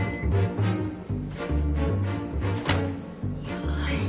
よし。